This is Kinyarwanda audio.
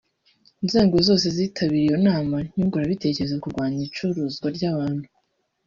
Inzego zose zitabiriye iyo nama nyungurana bitekerezo ku kurwanya icuruzwa ry’abantu